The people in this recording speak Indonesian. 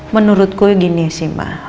menurutku gini sih ma